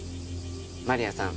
マリアさん